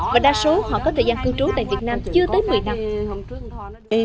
và đa số họ có thời gian cư trú tại việt nam chưa tới một mươi năm